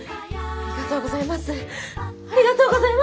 ありがとうございます！